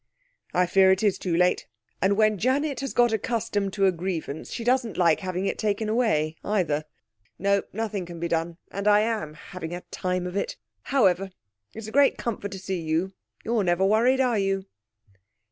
'I fear it is too late. And when Janet has got accustomed to a grievance she doesn't like having it taken away either. No, nothing can be done. And I am having a time of it! However, it's a great comfort to see you. You're never worried are you?'